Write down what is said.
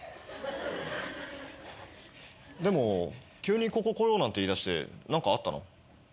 でも急にここ来ようなんて言いだして何かあったの？